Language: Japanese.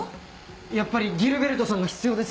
やっぱりギルベルトさんが必要ですね。